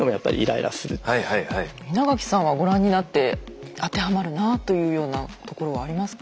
稲垣さんはご覧になって当てはまるなぁというようなところはありますか？